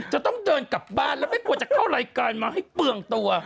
จะต้องเดินกลับบ้านแล้วไม่ควรจะเข้ารายการมาให้เปลืองตัว